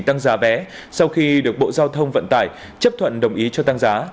tăng giá vé sau khi được bộ giao thông vận tải chấp thuận đồng ý cho tăng giá